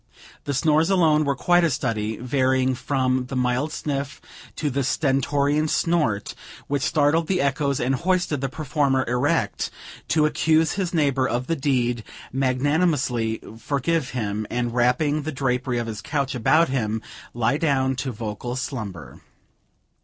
The snores alone were quite a study, varying from the mild sniff to the stentorian snort, which startled the echoes and hoisted the performer erect to accuse his neighbor of the deed, magnanimously forgive him, and wrapping the drapery of his couch about him, lie down to vocal slumber.